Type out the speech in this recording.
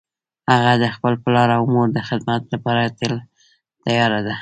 هغه د خپل پلار او مور د خدمت لپاره تل تیار ده